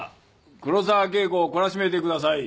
黒沢恵子を懲らしめてください」